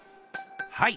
はい。